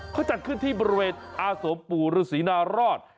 เขาจัดขึ้นที่บริเวณอาสมปู่ฤษีนารอด